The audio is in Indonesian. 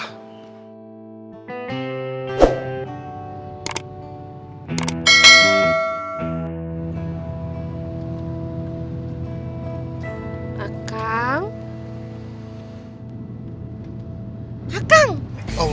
tidak bisa kepengen dia lagi